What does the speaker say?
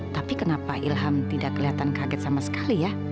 tapi kenapa ilham tidak kelihatan kaget sama sekali ya